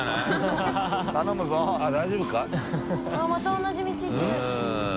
また同じ道行ってる。